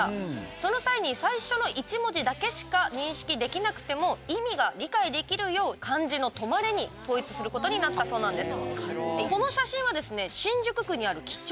その際に最初の１文字だけしか認識できなくても意味が理解できるよう漢字の「止まれ」に統一することになったそうなんです。